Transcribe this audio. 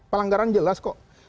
pelanggaran jelas kok